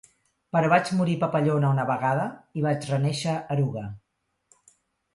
Però vaig morir papallona una vegada i vaig renéixer eruga.